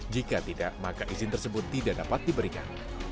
jika tidak maka izin tersebut tidak dapat diberikan